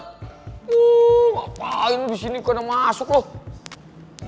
wuh ngapain lo disini kena masuk loh